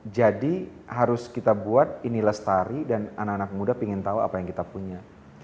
jadi harus kita buat ini lestari dan anak anak muda ingin tahu apa yang kita punya